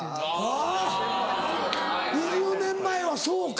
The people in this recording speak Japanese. あぁ２０年前はそうか。